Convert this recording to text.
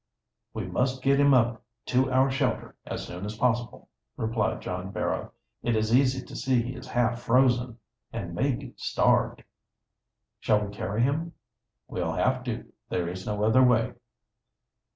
"We must get him up to our shelter as soon as possible," replied John Barrow. "It is easy to see he is half frozen and maybe starved." "Shall we carry him?" "We'll have to; there is no other way."